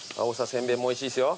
せんべいもおいしいっすよ。